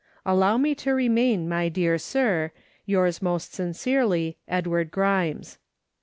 Allow me to remain, my dear Sir, Yours most sincerely, EDWARD GRIMES.